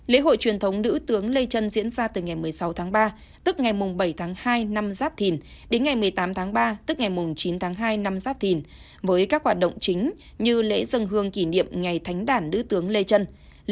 lễ hội truyền thống nữ tướng lê trân diễn ra từ ngày một mươi sáu tháng ba tức ngày bảy tháng hai năm giáp thìn đến ngày một mươi tám tháng ba tức ngày chín tháng hai năm giáp thìn với các hoạt động chính như lễ dân hương kỷ niệm ngày thánh đản nữ tướng lê trân